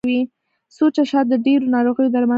سوچه شات د ډیرو ناروغیو درملنه ده.